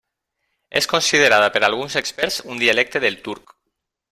És considerada per alguns experts un dialecte del turc.